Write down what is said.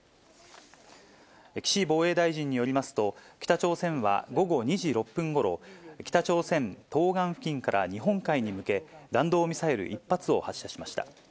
岸防衛大臣によりますと、北朝鮮は午後２時６分ごろ、北朝鮮東岸付近から日本海に向け、弾道ミサイル１発を発射しました。